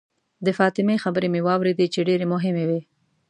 د فاطمې خبرې مې واورېدې چې ډېرې مهمې وې.